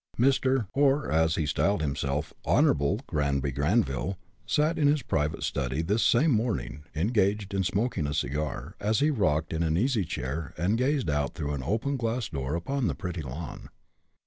Mr. or, as he styled himself, Honorable Granby Greyville sat in his private study this same morning, engaged in smoking a cigar, as he rocked in an easy chair and gazed out through an open glass door upon the pretty lawn.